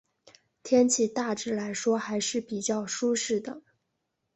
天气大致来说还是比较舒适的。